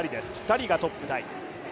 ２人がトップタイ。